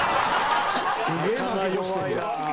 すげえ負け越してる。